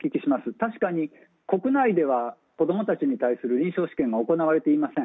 確かに国内では子供たちに対する臨床試験が行われていません。